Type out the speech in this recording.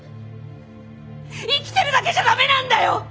生きてるだけじゃダメなんだよ！